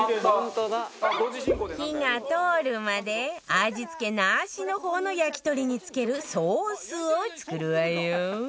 火が通るまで味付けなしの方の焼き鳥に付けるソースを作るわよ